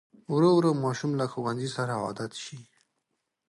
ورو ورو ماشوم له ښوونځي سره عادت شي.